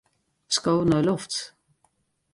Sko nei lofts.